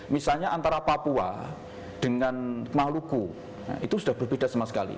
misalnya antara papua dengan maluku itu sudah berbeda sama sekali